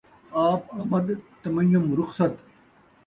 آب آمد تیمّم رخصت